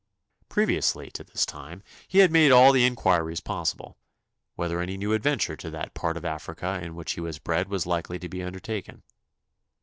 Previously to this time he had made all the inquiries possible, whether any new adventure to that part of Africa in which he was bred was likely to be undertaken.